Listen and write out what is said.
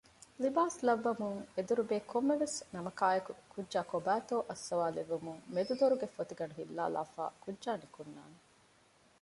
ލިބާސް ލައްވަންވުމުން އެދުރުބޭ ކޮންމެވެސް ނަމަކާއެކު ކުއްޖާ ކޮބައިތޯ އައްސަވާލެއްވުމުން މެދު ދޮރުގެ ފޮތިގަނޑު ހިއްލާލާފައި ކުއްޖާ ނިކުންނާނެ